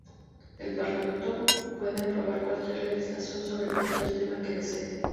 El Parlamento puede aprobar cualquier legislación sobre cualquier tema que desee.